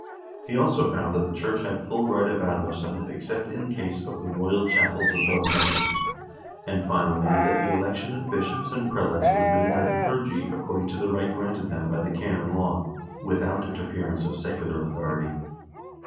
He also found that the church had full right of advowson, except in case of the royal chapels above men tioned; and, finally, that the election of bishops and prelates was made by the clergy according to the right granted them by the canon law, without interference of secular authority.